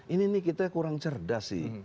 ini nih kita kurang cerdas sih